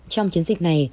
trong chiến dịch này